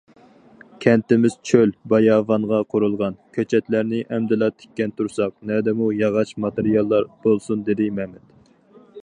« كەنتىمىز چۆل- باياۋانغا قۇرۇلغان، كۆچەتلەرنى ئەمدىلا تىككەن تۇرساق، نەدىمۇ ياغاچ ماتېرىياللار بولسۇن؟» دېدى مەمەت.